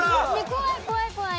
怖い怖い怖い。